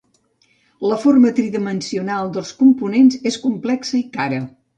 La forma tridimensional dels components és complexa i cara.